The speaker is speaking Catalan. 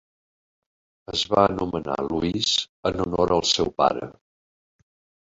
Es va anomenar Louis en honor al seu pare.